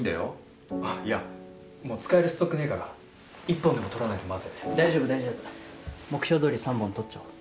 いやもう使えるストックねぇから１本でも撮らないとまずい大丈夫大丈夫目標どおり３本撮っちゃおう